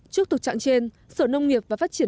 trước thực trạng trên sở nông nghiệp và phát triển